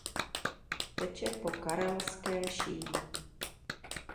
Teče po Karelské šíji.